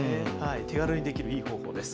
手軽にできるいい方法です。